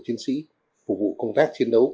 chiến sĩ phục vụ công tác chiến đấu